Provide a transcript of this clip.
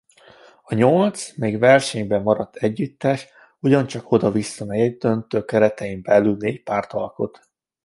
A nyolc még versenyben maradt együttes ugyancsak oda-vissza negyeddöntők keretein belül négy párt alkot.